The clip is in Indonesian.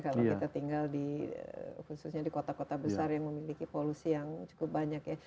kalau kita tinggal di khususnya di kota kota besar yang memiliki polusi yang cukup banyak ya